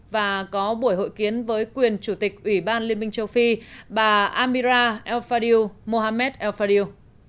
và có buổi hội kiến với quyền chủ tịch ủy ban liên minh châu phi bà amira el fadil mohamed el fadil